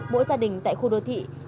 mỗi gia đình tại khu đô thị